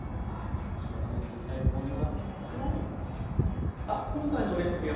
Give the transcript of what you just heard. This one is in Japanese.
ぜひ試してみたいと思います。